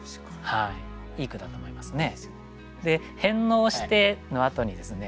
いい句だと思いますね。